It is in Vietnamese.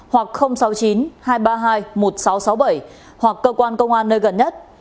hoặc sáu mươi chín hai trăm ba mươi hai một nghìn sáu trăm sáu mươi bảy hoặc cơ quan công an nơi gần nhất